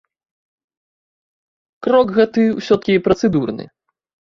Крок гэты ўсё-ткі працэдурны.